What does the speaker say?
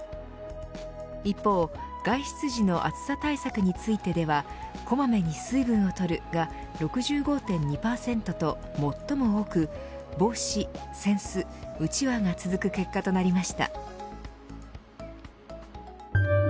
一方、外出時の暑さ対策についてはこまめに水分を取るが６５．２％と最も多く帽子、扇子・うちわが続く結果となりました。